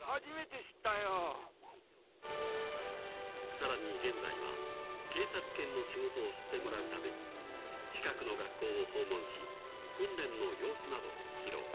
［さらに現在は警察犬の仕事を知ってもらうため近くの学校を訪問し訓練の様子などを披露］